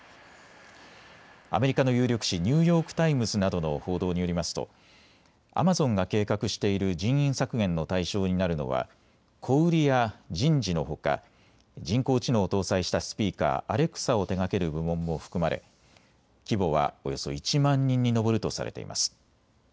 アメリカの有力紙、ニューヨーク・タイムズなどの報道によりますとアマゾンが計画している人員削減の対象になるのは小売りや人事のほか人工知能を搭載したスピーカー、アレクサを手がける部門も含まれ規模はおよそ１万人に上るとされています。